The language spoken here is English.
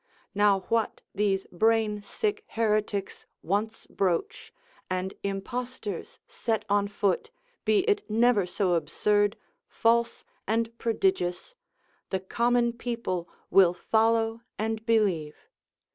Now what these brain sick heretics once broach, and impostors set on foot, be it never so absurd, false, and prodigious, the common people will follow and believe.